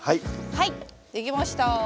はい出来ました。